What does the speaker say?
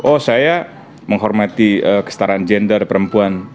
oh saya menghormati kestaraan gender perempuan